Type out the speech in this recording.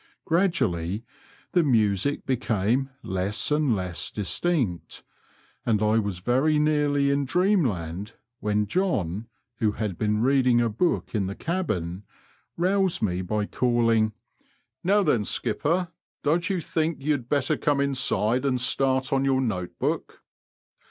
Gradually the music became less and less distinct, and I was very nearly in dreamland, when John, who had been reading a book in the cabin, roused me by calling, Now, then, skipper ; don't you think you'd better come inside and start on your note book?''